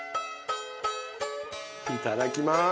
いただきます。